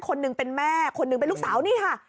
คนหนึ่งเป็นแม่คนหนึ่งเป็นลูกสาวนี่ค่ะ